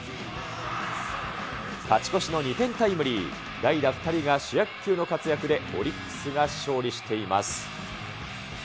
勝ち越しの２点タイムリー、代打２人が主役級の活躍で、オリックスが勝利しています。